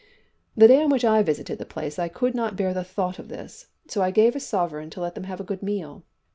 "The day on which I visited the place I could not bear the thought of this, so I gave a sovereign to let them have a good meal.